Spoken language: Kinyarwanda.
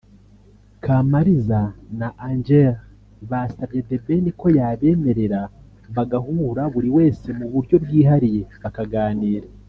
Kamariza na Angell basabye The Ben ko yabemerera bagahura buri wese mu buryo bwihariye bakaganira